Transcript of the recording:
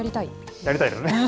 やりたいですよね。